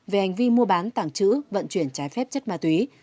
về hành vi mua bán tảng trữ vận chuyển trái phép chất ma túy